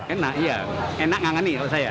enak enak mengangani kalau saya